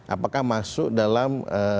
apakah masuk dalam